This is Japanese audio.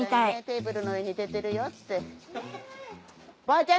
テーブルの上に出てるよって。